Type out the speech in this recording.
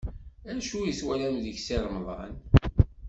Acu i twalam deg Si Remḍan?